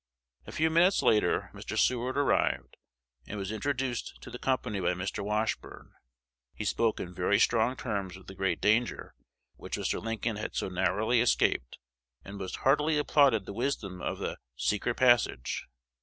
A few minutes later Mr. Seward arrived, and was introduced to the company by Mr. Washburne. He spoke in very strong terms of the great danger which Mr. Lincoln had so narrowly escaped, and most heartily applauded the wisdom of the "secret passage."